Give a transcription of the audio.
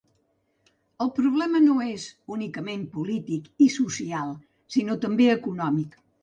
El problema no és únicament polític i social, sinó també econòmic.